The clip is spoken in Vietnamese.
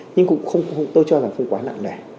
nhưng tôi cho là không quá nặng nẻ